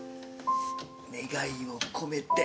願いを込めて。